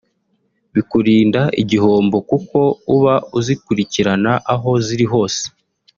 bikurinda igihombo kuko uba uzikurikirana aho ziri hose